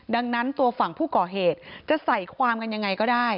ดังนั้นตัวฝั่งผู้ก่อเหตุจะใส่ความกันยังไงก็ได้